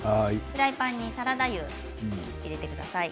フライパンにサラダ油を入れてください。